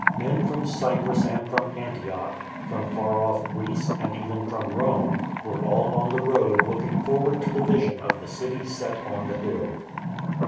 Men from Cyprus and from Antioch, from far off Greece, and even from Rome, were all on the road looking forward to the vision of the City set on the hill.